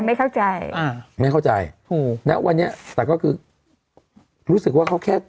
ไม่เข้าใจอ่าไม่เข้าใจถูกณวันนี้แต่ก็คือรู้สึกว่าเขาแค่